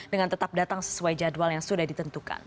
dengan tetap datang sesuai jadwal yang sudah ditentukan